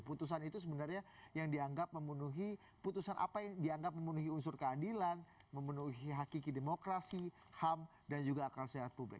putusan itu sebenarnya yang dianggap memenuhi putusan apa yang dianggap memenuhi unsur keadilan memenuhi hakiki demokrasi ham dan juga akal sehat publik